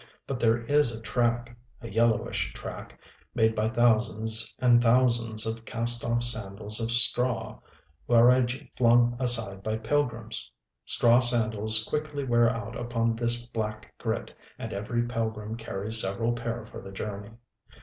But there is a track, a yellowish track made by thousands and thousands of cast off sandals of straw (waraji), flung aside by pilgrims. Straw sandals quickly wear out upon this black grit; and every pilgrim carries several pair for the journey.